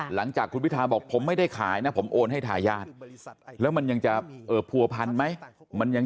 หลังจากคุณพิทาบอกผมไม่ได้ขายนะผมโอนให้ถ่าย่าน